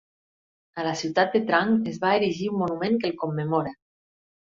A la ciutat de Trang es va erigir un monument que el commemora.